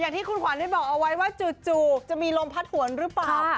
อย่างที่คุณหมายพูดจะมีลมพลัชหวนหรือเปล่า